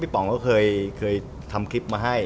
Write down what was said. พี่ป่องเคยทำคลิปมาให้